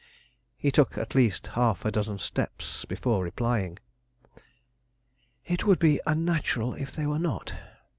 He took at least a half dozen steps before replying. "It would be unnatural if they were not."